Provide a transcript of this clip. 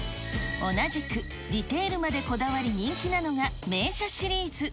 同じく、ディテールまでこだわり人気なのが、名車シリーズ。